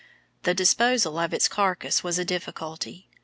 The disposal of its carcass was a difficulty.